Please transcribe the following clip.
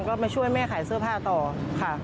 ก็มาช่วยแม่ขายเสื้อผ้าต่อค่ะ